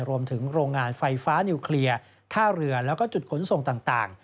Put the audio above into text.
โรงงานไฟฟ้านิวเคลียร์ท่าเรือแล้วก็จุดขนส่งต่าง